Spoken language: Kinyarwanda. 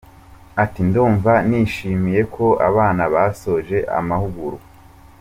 Ati “Ndumva nishimiye ko abana basoje amahugurwa.